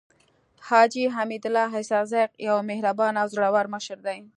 حاجي حميدالله اسحق زی يو مهربانه او زړور مشر دی.